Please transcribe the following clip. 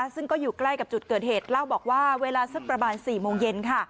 ซึ่งก็อยู่ใกล้กับจุดเกิดเหตุเล่าบอกว่าเวลาสักประมาณ๔โมงเย็นค่ะ